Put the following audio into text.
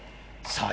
さあ